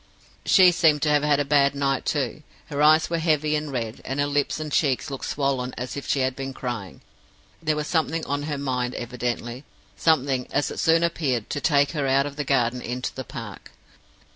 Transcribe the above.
"She seemed to have had a bad night too; her eyes were heavy and red, and her lips and cheeks looked swollen as if she had been crying. There was something on her mind, evidently; something, as it soon appeared, to take her out of the garden into the park.